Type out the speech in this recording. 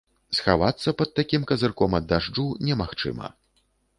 Схавацца пад такім казырком ад дажджу немагчыма!